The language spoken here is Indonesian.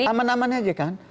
aman aman aja kan